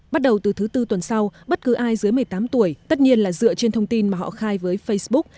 bắt đầu từ thứ tư tuần sau bất cứ ai dưới một mươi tám tuổi tất nhiên là dựa trên thông tin mà họ khai với facebook